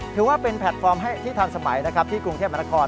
ถือว่าเป็นแพลตฟอร์มให้ที่ทันสมัยนะครับที่กรุงเทพมนาคม